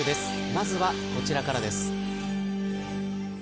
まずは、こちらからです。